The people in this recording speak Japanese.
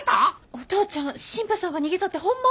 お父ちゃん新婦さんが逃げたってほんま？